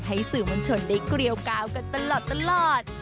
ให้สื่อมวลชนได้เกลียวกาวกันตลอด